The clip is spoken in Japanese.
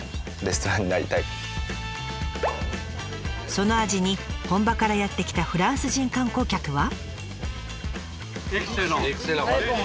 その味に本場からやって来たフランス人観光客は。